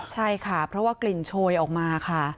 ใช่ค่ะเพราะว่ากลิ่นโชยออกมาค่ะ